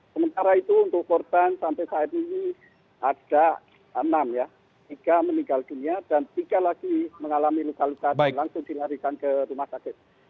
sementara itu untuk korban sampai saat ini ada enam ya tiga meninggal dunia dan tiga lagi mengalami luka luka dan langsung dilarikan ke rumah sakit